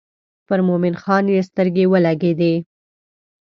پر مومن خان یې سترګې ولګېدې.